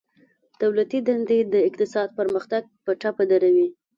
دولتي دندي د اقتصاد پرمختګ په ټپه دروي